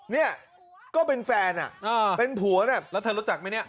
เนี่ยก็เป็นแฟนอ่ะเป็นผัวน่ะแล้วเธอรู้จักไหมเนี่ย